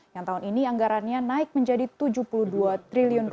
yang tahun ini anggarannya naik menjadi rp tujuh puluh dua triliun